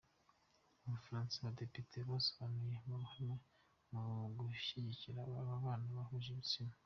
Ubufaransa Abadepite basomaniye mu ruhame mu gushyigikira ababana bahuje ibitsina